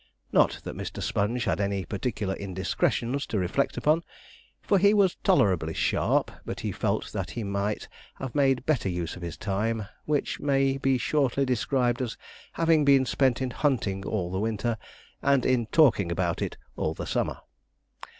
Not that Mr. Sponge had any particular indiscretions to reflect upon, for he was tolerably sharp, but he felt that he might have made better use of his time, which may be shortly described as having been spent in hunting all the winter, and in talking about it all the summer.